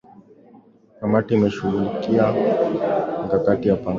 kamati inashughulikia mkakati wa upangaji wa rasilimali